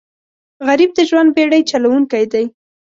غریب د ژوند بېړۍ چلوونکی دی